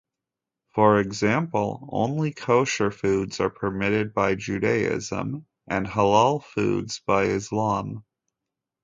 For example, only Kosher foods are permitted by Judaism, and Halal foods by Islam.